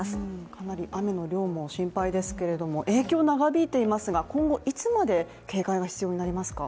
かなり雨の量も心配ですけれども、影響、長引いていますが今後いつまで警戒が必要になりますか？